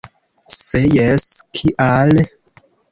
Se jes, kial?